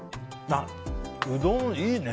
うどん、いいね。